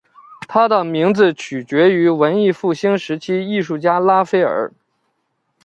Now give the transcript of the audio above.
他的名字取自于文艺复兴时期艺术家拉斐尔。